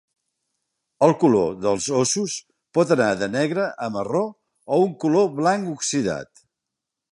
El color dels ossos pot anar de negre a marró o un color blanc oxidat.